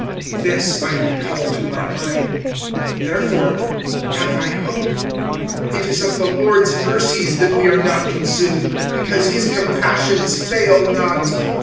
25:003:021 This I recall to my mind, therefore have I hope. 25:003:022 It is of the LORD's mercies that we are not consumed, because his compassions fail not.